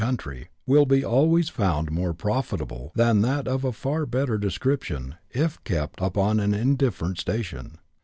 [chap, xiv, try will be always found more profitable than that of a far better description if kept upon an indifferent station.